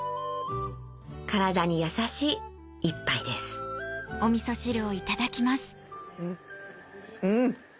体に優しい一杯ですうん！